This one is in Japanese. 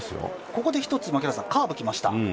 ここで１つ、カーブきました。